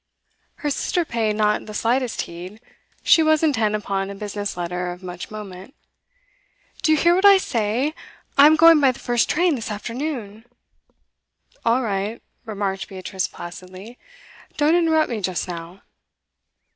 Her sister paid not the slightest heed; she was intent upon a business letter of much moment. 'Do you hear what I say? I'm going by the first train this afternoon.' 'All right,' remarked Beatrice placidly. 'Don't interrupt me just now.